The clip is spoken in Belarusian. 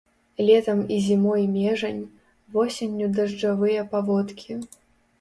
Летам і зімой межань, восенню дажджавыя паводкі.